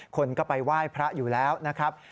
คนก็ไปไหว้พระอยู่แล้วนะครับ